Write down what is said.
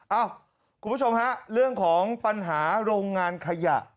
คุณผู้ชมฮะเรื่องของปัญหาโรงงานขยะ